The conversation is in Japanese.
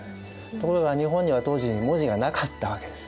ところが日本には当時文字がなかったわけです。